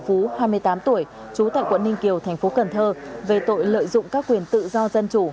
phú hai mươi tám tuổi trú tại quận ninh kiều thành phố cần thơ về tội lợi dụng các quyền tự do dân chủ